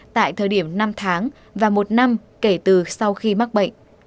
tại thời điểm năm tháng và một năm kể từ sau khi mắc bệnh